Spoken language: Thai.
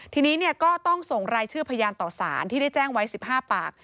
ทีนี้ก็ต้องส่งรายชื่อพยานต่อสารที่ได้แจ้งไว้๑๕ปาก